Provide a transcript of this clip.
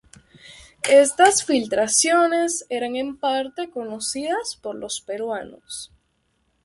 Estas filtraciones eran en parte conocidas por los peruanos.